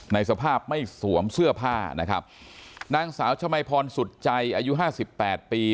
ในสภาพไม่สวมเสื้อผ้านะครับนางสาวชมัยพรสุดใจอายุห้าสิบแปดปี